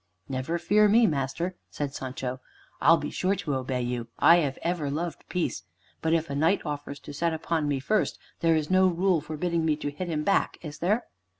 "Never fear me, master," said Sancho. "I'll be sure to obey you; I have ever loved peace. But if a knight offers to set upon me first, there is no rule forbidding me to hit him back, is there?"